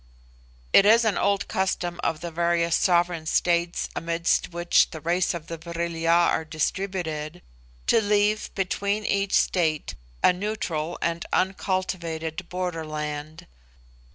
It is an old custom of the various sovereign states amidst which the race of the Vril ya are distributed, to leave between each state a neutral and uncultivated border land.